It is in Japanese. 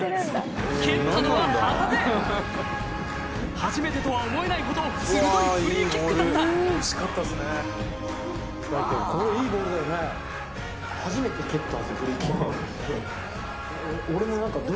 初めてとは思えないほど鋭いフリーキックだった。